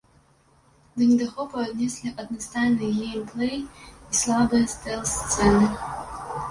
Да недахопаў аднеслі аднастайны геймплэй і слабыя стэлс-сцэны.